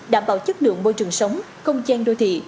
đảm bảo chất lượng môi trường sống công trang đô thị